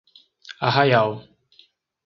Arraial